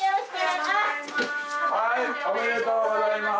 おめでとうございます。